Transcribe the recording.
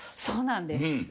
そうなんです。